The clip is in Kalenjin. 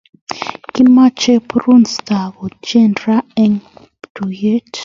Kimache Brun start kotien raa en tuyet